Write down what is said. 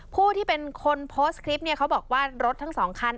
ผู้ที่เป็นคนโพสต์คลิปเนี่ยเขาบอกว่ารถทั้งสองคัน